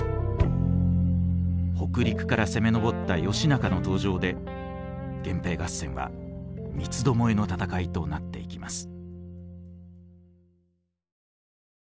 北陸から攻め上った義仲の登場で源平合戦は三つ巴の戦いとなっていきます。